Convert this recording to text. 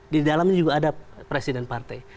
di dalamnya juga ada presiden partai